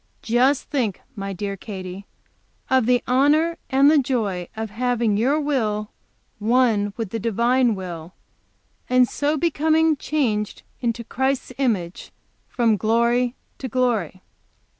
Just think, my dear Katy, of the honor and the joy of having your will one with the Divine will, and so becoming changed into Christ's image from glory to glory!